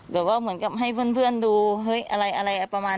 แบบว่าเหมือนกับให้เบื่อนเพื่อนดูเฮ้ยอะไรอะไรอะประมาณ